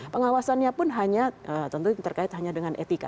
pengawasannya pun hanya tentu terkait hanya dengan etika